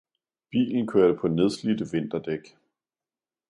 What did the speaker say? bilen kørte på nedslidte vinterdæk